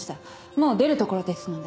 もう出るところですので。